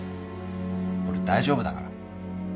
俺大丈夫だから。